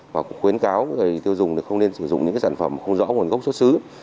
và cũng khuyến cáo người tiêu dùng là không nên sử dụng những sản phẩm không rõ nguồn gốc xuất xứ